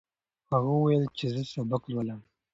هغه وویل چې زه سبق لولم.